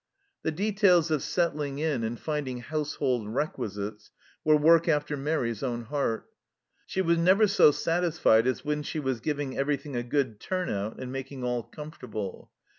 The details of settling in and finding household requisites were work after Mairi's own heart. She was never so satisfied as when she was giving everything a " good turn out " and making all com fortable